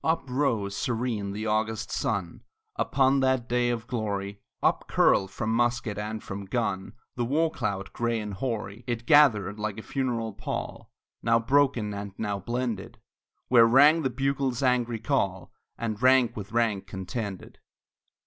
Up rose serene the August sun Upon that day of glory; Up curled from musket and from gun The war cloud, gray and hoary; It gathered like a funeral pall, Now broken, and now blended, Where rang the bugle's angry call, And rank with rank contended.